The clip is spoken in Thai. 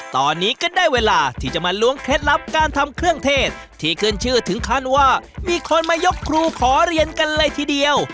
ที่ขึ้นชื่อถึงคันว่ามีคนมายกครูขอเรียนกันเลยทีเดียว